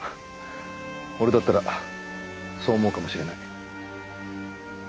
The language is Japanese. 俺だったらそう思うかもしれない。